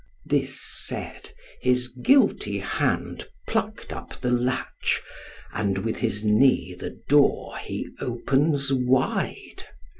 This said, his guilty hand pluck'd up the latch, And with his knee the door he opens wide.